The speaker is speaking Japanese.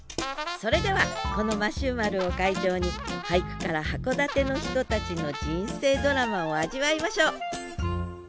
それではこの摩周丸を会場に俳句から函館の人たちの人生ドラマを味わいましょう。